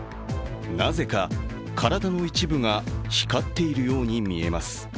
なぜか体の一部が光っているように見えます。